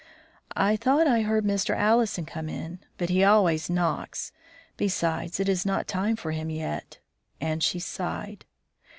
"I thought I heard Mr. Allison come in, but he always knocks; besides, it is not time for him yet." And she sighed.